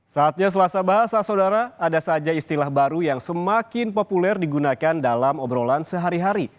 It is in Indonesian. saatnya selasa bahasa saudara ada saja istilah baru yang semakin populer digunakan dalam obrolan sehari hari